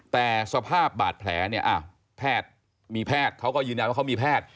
แต่สภาพบาดแผลเนี่ยมีแพทย์เขาก็ยืนยันว่าเขามีแพทย์